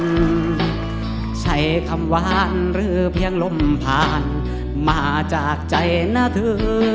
ใช้คำว่านหรือเพียงลมผ่านมาจากใจนะเธอ